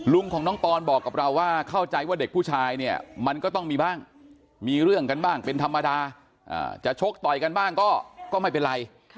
ลุงของน้องปอนบอกกับเราว่าเข้าใจว่าเด็กผู้ชายเนี่ยมันก็ต้องมีบ้างมีเรื่องกันบ้างเป็นธรรมดาจะชกต่อยกันบ้างก็ไม่เป็นไร